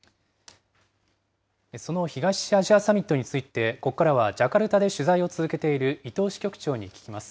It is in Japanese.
その東アジアサミットについて、ここからは、ジャカルタで取材を続けている伊藤支局長に聞きます。